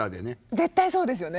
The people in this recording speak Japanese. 絶対そうですよね。